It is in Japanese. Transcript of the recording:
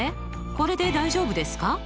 これで大丈夫ですか？